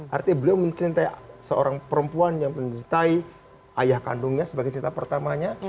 artinya beliau mencintai seorang perempuan yang mencintai ayah kandungnya sebagai cinta pertamanya